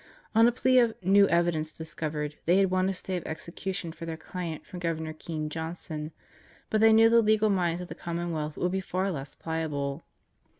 On a plea of "new evidence discovered" they had won a stay of execution for their client from Governor Keen Johnson; but they knew the legal minds of the Commonwealth would be far less pliable.